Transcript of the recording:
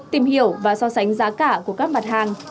tìm hiểu và so sánh giá cả của các mặt hàng